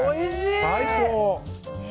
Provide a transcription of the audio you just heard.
最高！